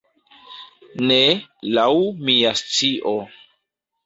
Ne, laŭ mia scio.